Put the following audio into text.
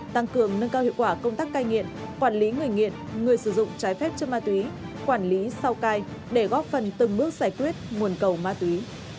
với chủ đề nâng cao hiệu quả công tác cai nghiện quản lý người nghiện người sử dụng trái phép chất ma túy quản lý sau cai để góp phần từng bước giải quyết nguồn cầu ma túy